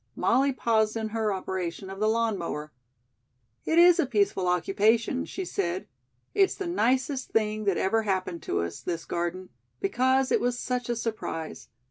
Molly paused in her operation of the lawn mower. "It is a peaceful occupation," she said. "It's the nicest thing that ever happened to us, this garden, because it was such a surprise.